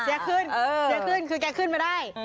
เชียร์ขึ้นคือแกขึ้นไม่ได้